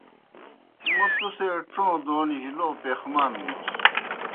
موں تُوْ سے ڇوں دونِجیْ لو پیخمَان نُس۔